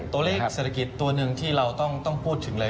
ตัวเลขเศรษฐกิจตัวหนึ่งที่เราต้องพูดถึงเลย